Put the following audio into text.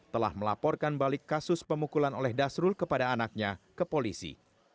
telah melaporkan balik kasus pemukulan oleh dasrul kepada anaknya ke polisi